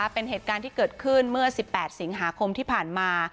เป็นเหตุการณ์ที่เกิดขึ้นเมื่อ๑๘สิงหาคมที่ผ่านมา